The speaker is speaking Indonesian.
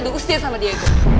duh usir sama diego